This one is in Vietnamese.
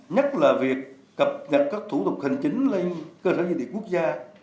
nhất là việc cập nhật các thủ tục hành chính lên cơ sở dân dịch quốc gia